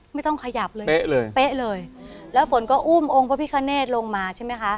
ไม่ต้องขยับเลยเป๊ะเลยเป๊ะเลยแล้วฝนก็อุ้มองค์พระพิคเนธลงมาใช่ไหมคะ